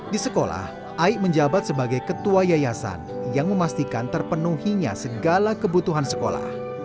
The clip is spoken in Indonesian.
di sekolah aik menjabat sebagai ketua yayasan yang memastikan terpenuhinya segala kebutuhan sekolah